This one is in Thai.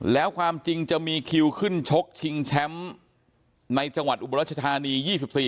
แล้วความจริงจะมีคิวขึ้นชกชิงแชมป์ในจังหวัดอุบรัชธานี๒๔